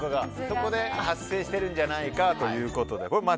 そこで発生しているんじゃないかということで。